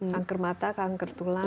kangker mata kanker tulang